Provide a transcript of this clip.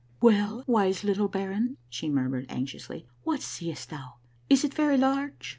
" Well, wise little baron," she murmured anxiously, " what seest thou? Is it very large